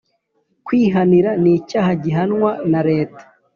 Kwihanira ni icyaha gihanirwa na leta